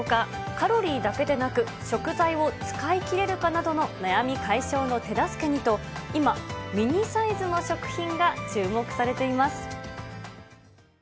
カロリーだけでなく、食材を使いきれるかなどの悩み解消の手助けにと、今、ミニサイズの食品が注目されています。